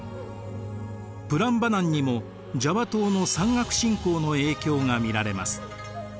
プランバナンにもジャワ島の山岳信仰の影響が見られます。